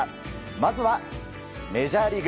まずは、メジャーリーグ。